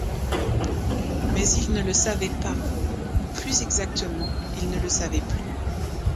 Mais il ne le savait pas, ou plus exactement, il ne le savait plus.